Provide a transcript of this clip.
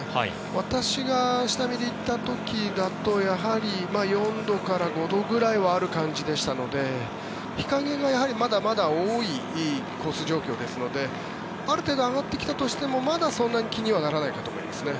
私が下見に行った時だとやはり４度から５度くらいはある感じでしたので日陰がまだまだ多いコース状況ですのである程度上がってきたとしてもまだそんなに気にならないかと思います。